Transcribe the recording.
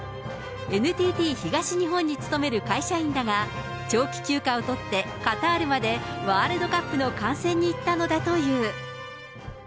ＮＴＴ東日本に勤める会社員だが、長期休暇を取ってカタールまでワールドカップの観戦に行ったのだという。